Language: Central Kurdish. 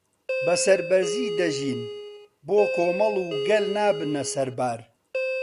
بەسەربەرزی دەژین بۆ کۆمەڵ و گەل نابنە سەربار